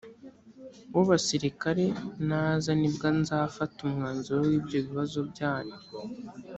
w abasirikare naza ni bwo nzafata umwanzuro w ibyo bibazo byanyu